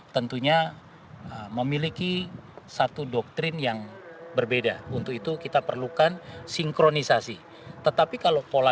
tentunya memiliki satu doktrin yang berbeda untuk itu kita perlukan sinkronisasi tetapi kalau pola